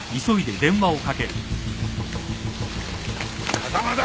風間だ！